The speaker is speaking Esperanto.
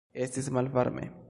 Estis malvarme.